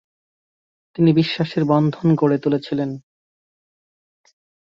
তিনি বিশ্বাসের বন্ধন গড়ে তুলেছিলেন।